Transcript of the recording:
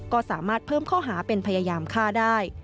ก็สามารถเพิ่มข้อหาเป็นพยายามฆ่าได้